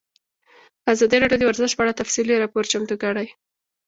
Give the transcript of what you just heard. ازادي راډیو د ورزش په اړه تفصیلي راپور چمتو کړی.